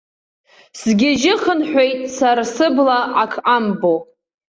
Сгьежьы-хынҳәуеит сара, сыбла ак амбо.